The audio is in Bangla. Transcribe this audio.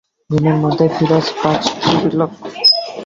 ঘুমের মধ্যেই ফিরোজ পাশ ফিরল।